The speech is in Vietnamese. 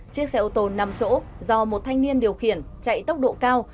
chiếc xe ô tô năm chỗ do một thanh niên điều khiển chạy tốc độ cao